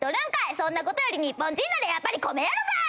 そんな事より日本人ならやっぱり米やろがーい！」。